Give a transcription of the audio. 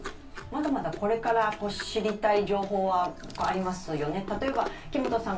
まだまだこれから知りたい情報はありますよね、例えば木本さん